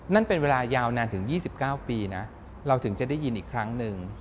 นั่นเป็นเวลายาวนานถึง๒๙ปีนะเราถึงจะได้ยินอีกครั้งหนึ่ง